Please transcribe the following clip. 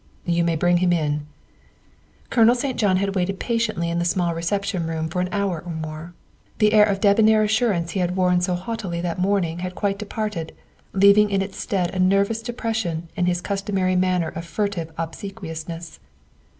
'' You may bring him in. '' Colonel St. John had waited patiently in the small reception room for an hour or more. The air of de bonair assurance he had worn so jauntily that morning had quite departed, leaving in its stead a nervous de pression and his customary manner of furtive obse quiousness.